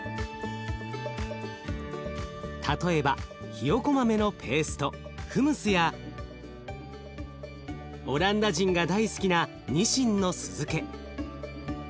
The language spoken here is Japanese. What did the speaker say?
例えばひよこ豆のペーストフムスやオランダ人が大好きなにしんの酢漬け。